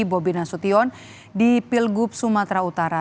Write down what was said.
bobi nasution di pilgub sumatera utara